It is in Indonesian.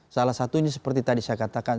salah satunya seperti tadi saya katakan